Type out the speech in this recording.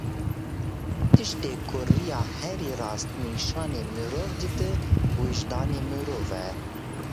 Tiştê ku rêya herî rast nîşanî mirov dide, wijdanê mirov e.